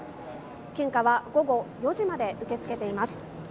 献花は午後４時まで受け付けています。